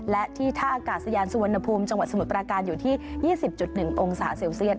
และที่ท่าอากาศยานสวรรณภูมิจังหวัดสมุดประการอยู่ที่ยี่สิบจุดหนึ่งองศาเซลเซียส